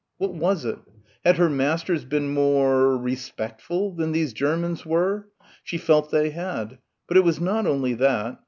What was it? Had her masters been more respectful than these Germans were? She felt they had. But it was not only that.